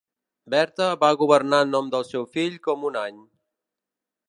Berta va governar en nom del seu fill com un any.